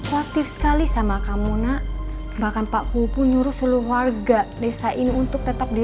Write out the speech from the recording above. kreatif sekali sama kamu nak bahkan pak kubu nyuruh seluruh warga desa ini untuk tetap di